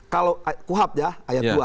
kalau kuhab ya ayat dua